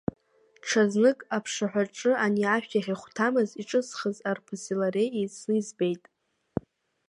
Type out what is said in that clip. Ҽазнык, аԥшаҳәаҿы ани ашәҭ иахьахәҭамыз иҿызхыз арԥыси лареи еицны избеит.